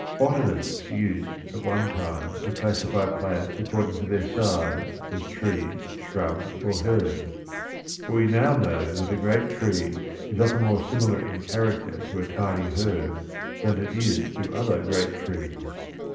Botanists used at one time to classify plants according to their size, as trees, shrubs, or herbs, but we now know that a great tree is often more similar in character to a tiny herb than it is to other great trees.